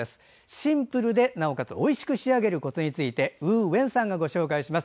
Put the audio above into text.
シンプルでなおかつおいしく仕上げるコツについてウー・ウェンさんがご紹介します。